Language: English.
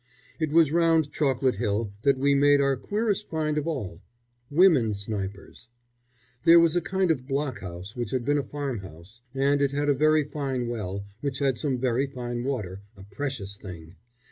It was round Chocolate Hill that we made our queerest find of all women snipers. There was a kind of blockhouse which had been a farmhouse, and it had a very fine well, which had some very fine water a precious thing.